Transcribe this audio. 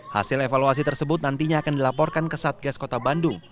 hasil evaluasi tersebut nantinya akan dilaporkan ke satgas kota bandung